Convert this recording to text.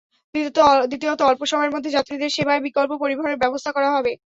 দ্বিতীয়ত, অল্প সময়ের মধ্যে যাত্রীদের সেবায় বিকল্প পরিবহনের ব্যবস্থা করা হবে।